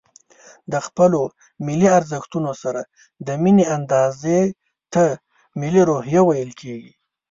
د خپلو ملي ارزښتونو سره د ميني اندازې ته ملي روحيه ويل کېږي.